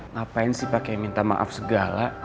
ngapain sih pakai minta maaf segala